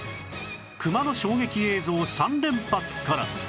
クマの衝撃映像３連発から